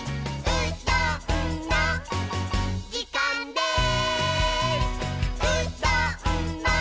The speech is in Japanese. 「うどんのじかんです！」